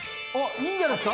いいんじゃないですか。